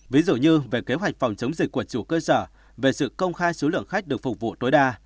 ví dụ như về kế hoạch phòng chống dịch của chủ cơ sở về sự công khai số lượng khách được phục vụ tối đa